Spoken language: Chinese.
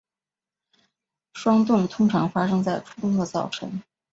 霜冻通常发生在初冬的早晨。